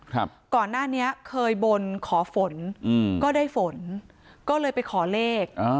ครับก่อนหน้านี้เคยบนขอฝนอืมก็ได้ฝนก็เลยไปขอเลขอ่า